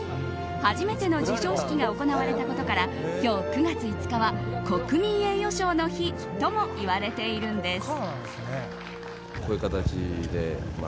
初めての授賞式が行われたことから今日、９月５日は国民栄誉賞の日ともいわれているんです。